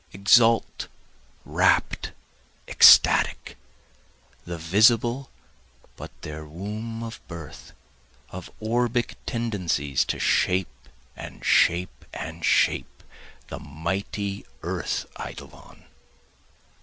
Exalte, rapt, ecstatic, The visible but their womb of birth, Of orbic tendencies to shape and shape and shape, The mighty earth eidolon.